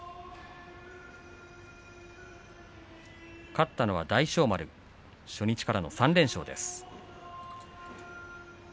勝ったのは大翔丸初日からの３連勝です。